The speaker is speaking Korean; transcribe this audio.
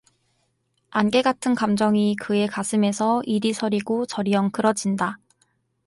안개 같은 감정이 그의 가슴에서 이리 서리고 저리 엉클어진다.